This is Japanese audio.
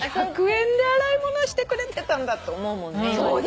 １００円で洗い物してくれてたんだって思うもんね。